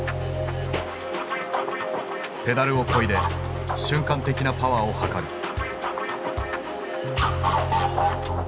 ペダルをこいで瞬間的なパワーを測る。